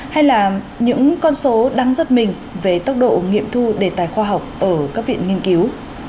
hay là những con số đang rất mình về tốc độ nghiệm thu đề tài khoa học ở các viện nghiên cứu